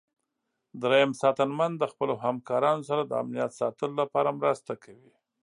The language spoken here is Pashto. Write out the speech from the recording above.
دریم ساتنمن د خپلو همکارانو سره د امنیت ساتلو لپاره مرسته کوي.